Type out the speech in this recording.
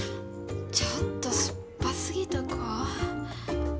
ちょっと酸っぱ過ぎたか？